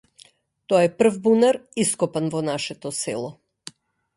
Тоа е прв бунар ископан во нашето село.